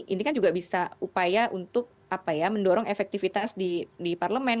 ini kan juga bisa upaya untuk mendorong efektivitas di parlemen